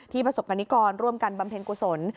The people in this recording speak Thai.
ประสบกรณิกรร่วมกันบำเพ็ญกุศล